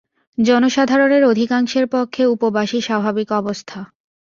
জনসাধারণের অধিকাংশের পক্ষে উপবাসই স্বাভাবিক অবস্থা।